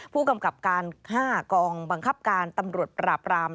ผู้กำกับการ๕กองบังคับการตำรวจปราบราม